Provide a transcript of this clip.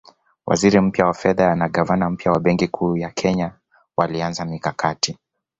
Waziri mpya wa fedha na gavana mpya wa Benki Kuu ya Kenya walianza mikakati